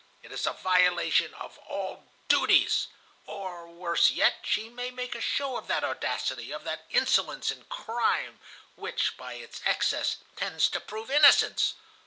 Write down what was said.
It is a violation of all duties! Or, worse yet, she may make a show of that audacity, of that insolence in crime, which, by its excess, tends to prove innocence.